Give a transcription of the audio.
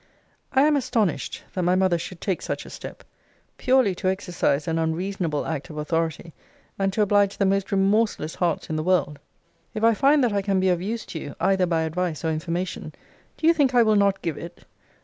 I am astonished that my mother should take such a step purely to exercise an unreasonable act of authority; and to oblige the most remorseless hearts in the world. If I find that I can be of use to you, either by advice or information, do you think I will not give it!